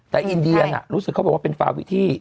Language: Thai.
แต่อินเดียน่ะรู้สึกเขาบอกว่าเป็นฟาวิที่